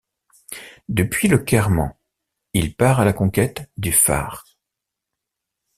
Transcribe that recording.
Depuis le Kerman, il part à la conquête du Fars.